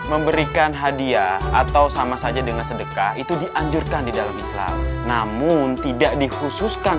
memberikan hadiah atau sama saja dengan sedekah itu dianjurkan di dalam islam namun tidak dikhususkan